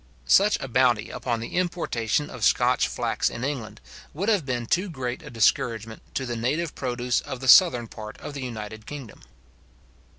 Such a bounty upon the importation of Scotch flax in England would have been too great a discouragement to the native produce of the southern part of the united kingdom.